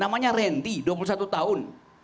namanya renty dua puluh satu tahun